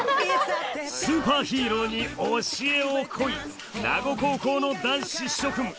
スーパーヒーローに教えを乞い名護高校の男子諸君